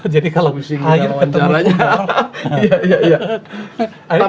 jadi kalau air ketemu air